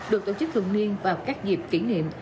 được tổ chức thường niên vào các dịp kỷ niệm